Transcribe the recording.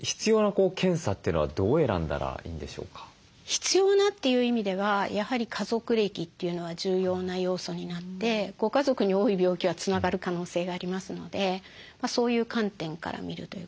必要なという意味ではやはり家族歴というのは重要な要素になってご家族に多い病気はつながる可能性がありますのでそういう観点から見るということ。